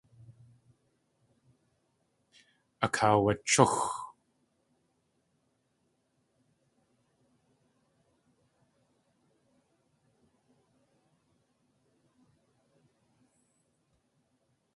Akaawachúx.